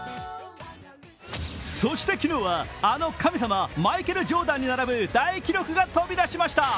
そして昨日は、あの神様、マイケル・ジョーダンに並ぶ大記録が飛び出しました。